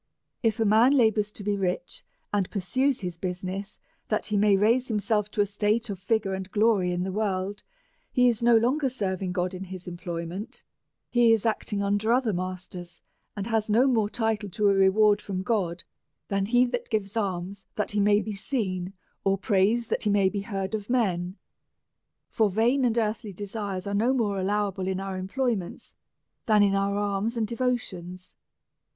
If a man labours to be rich, and pursues his business, that he may raise himself to a state of figure and glory in the world, he is no longer serving God in his employment; he is acting under other masters, and has no more title to a reward from God than lie that gives alms that he may be seen, or prays that he may be heard of men. For vain and earthly desires are no more alloAvable in our employ ments than in our alms and devotions.